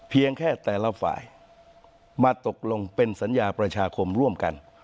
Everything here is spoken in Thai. เพียงแค่แต่ละฝ่ายมาตกลงเป็นสัญญาประชาคมร่วมกัน